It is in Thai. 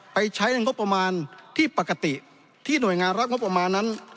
ใช้ในงบประมาณที่ปกติที่หน่วยงานรัฐงบประมาณนั้น